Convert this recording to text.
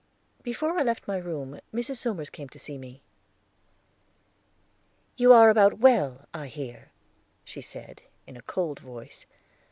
Before I left my room, Mrs. Somers came to see me. "You are about well, I hear," she said, in a cold voice.